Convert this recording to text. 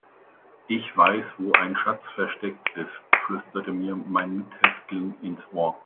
Ich weiß, wo ein Schatz versteckt ist, flüsterte mir mein Mithäftling ins Ohr.